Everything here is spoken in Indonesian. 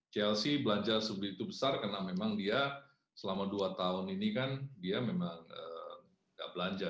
chelsea belanja sebegitu besar karena memang dia selama dua tahun ini kan dia memang nggak belanja